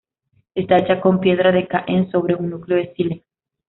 Esta hecha con piedra de Caen sobre un núcleo de sílex.